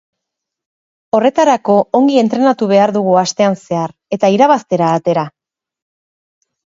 Horretarako ongi entrenatu behar dugu asten zehar eta irabaztera atera.